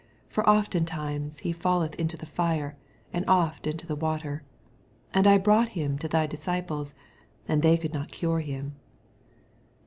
for ofttimes he falleth into the fire, and oft into the water. 16 And I brought him to thy dis ciples, and they could not cure him.